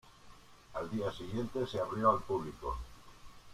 Al día siguiente se abrió al público.